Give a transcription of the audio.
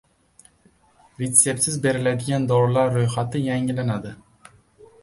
Reseptsiz beriladigan dorilar ro‘yxati yangilanadi